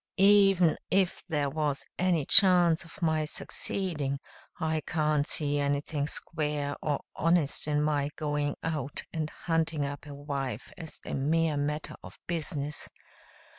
Even if there was any chance of my succeeding I can't see anything square or honest in my going out and hunting up a wife as a mere matter of business.